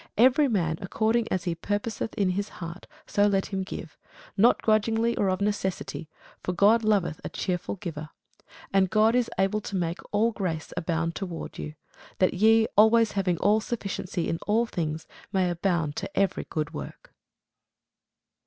Every man according as he purposeth in his heart, so let him give; not grudgingly, or of necessity: for God loveth a cheerful giver. And God is able to make all grace abound toward you; that ye, always having all sufficiency in all things, may abound to every good work.